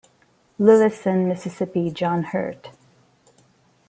Lewis and Mississippi John Hurt.